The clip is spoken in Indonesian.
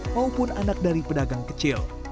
maupun anak dari pemerintah